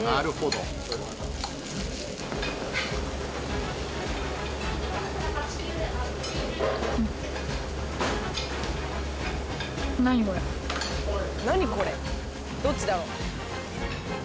どっちだろう？